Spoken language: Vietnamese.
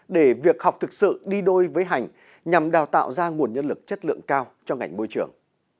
để việc học thực sự đi đôi với hành nhằm đào tạo ra nguồn nhân lực chất lượng cao cho ngành môi trường